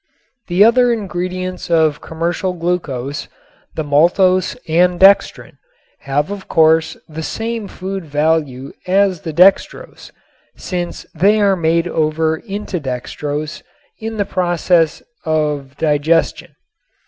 The other ingredients of commercial glucose, the maltose and dextrin, have of course the same food value as the dextrose, since they are made over into dextrose in the process of digestion.